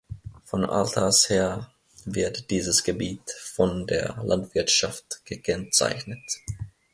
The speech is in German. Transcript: Von alters her wird dieses Gebiet von der Landwirtschaft gekennzeichnet.